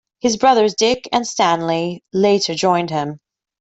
His brothers, Dick and Stanley, later joined him.